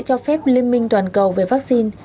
cho phép liên minh toàn cầu về vaccine